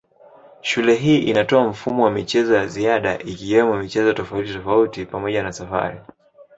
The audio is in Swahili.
Shule hii inatoa mfumo wa michezo ya ziada ikiwemo michezo tofautitofauti pamoja na safari.